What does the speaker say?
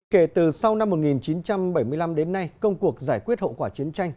kể từ sau năm một nghìn chín trăm bảy mươi năm đến nay công cuộc giải quyết hậu quả chiến tranh